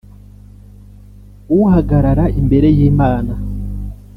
uhagarara imbere y’Imana